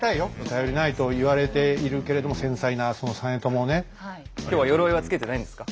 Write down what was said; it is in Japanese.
頼りないと言われているけれども繊細なその実朝をね。今日は鎧はつけてないんですか？